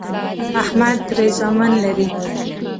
احمد درې زامن لري